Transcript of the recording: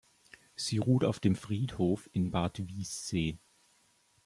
Sie ruht auf dem Friedhof in Bad Wiessee.